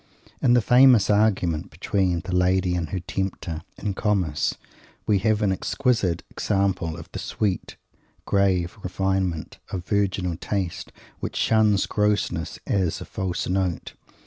In the famous argument between the Lady and her Tempter, in Comus, we have an exquisite example of the sweet, grave refinement of virginal taste which shuns grossness as "a false note."